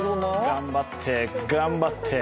頑張って、頑張って。